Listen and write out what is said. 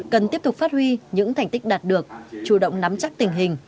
cần tiếp tục phát huy những thành tích đạt được chủ động nắm chắc tình hình